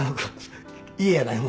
家やないもん。